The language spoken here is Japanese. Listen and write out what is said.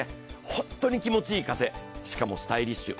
本当に気持ちいい風、しかもスタイリッシュ。